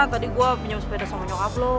tadi gue pinjam sepeda sama nyokap loh